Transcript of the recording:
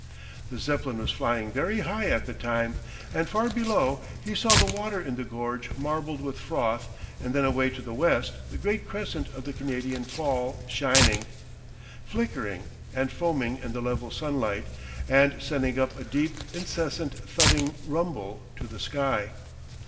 The Zeppelin was flying very high at the time, and far below he saw the water in the gorge marbled with froth and then away to the west the great crescent of the Canadian Fall shining, flickering and foaming in the level sunlight and sending up a deep, incessant thudding rumble to the sky.